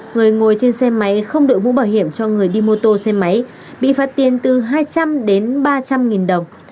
người ngồi trên xe máy không đội mũ bảo hiểm cho người đi mô tô xe máy bị phạt tiền từ hai trăm linh đến ba trăm linh nghìn đồng